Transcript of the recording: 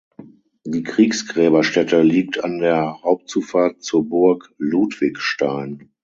Die Kriegsgräberstätte liegt an der Hauptzufahrt zur Burg Ludwigstein.